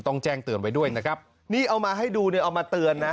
แจ้งเตือนไว้ด้วยนะครับนี่เอามาให้ดูเนี่ยเอามาเตือนนะ